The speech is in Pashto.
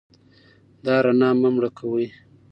دا رڼا مه مړه کوئ.